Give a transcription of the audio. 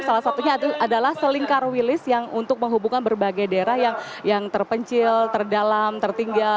salah satunya adalah selingkar wilis yang untuk menghubungkan berbagai daerah yang terpencil terdalam tertinggal